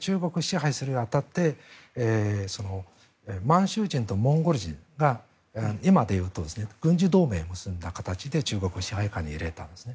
中国支配するに当たって満州人とモンゴル人が今でいうと軍事同盟を結んだ形で中国支配下に入れたんですね。